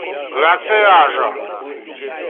glaciaĵo